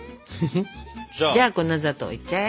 じゃあ粉砂糖いっちゃえ。